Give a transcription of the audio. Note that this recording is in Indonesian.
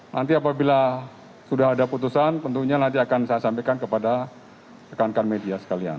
nanti apabila sudah ada putusan tentunya nanti akan saya sampaikan kepada rekan rekan media sekalian